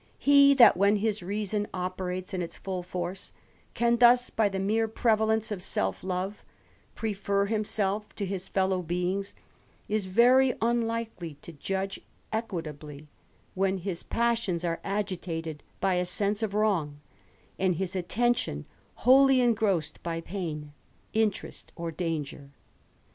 He that, when his reason operates in its full force, can thus, by the mere prevalence of self love, prefer himself to his fellow beings, is very unlikely ' to judge equitably when his passions are agitated by a sense= of wrong, and his attention wholly engrossed by pain,, interest, or danger.